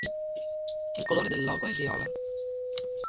Il colore del logo è viola.